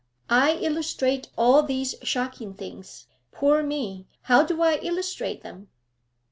I illustrate all these shocking things poor me! How do I illustrate them?'